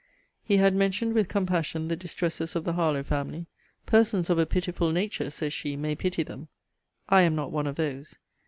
He had mentioned, with compassion, the distresses of the Harlowe family 'Persons of a pitiful nature, says she, may pity them. I am not one of those.